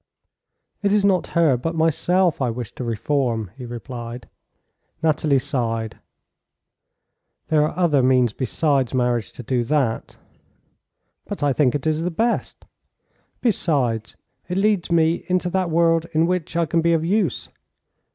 "It is not her but myself I wish to reform," he replied. Nathalie sighed. "There are other means besides marriage to do that." "But I think it is the best. Besides, it leads me into that world in which I can be of use."